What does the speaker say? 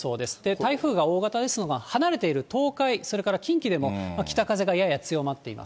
台風が大型ですので、離れている東海、それから近畿でも北風がやや強まっています。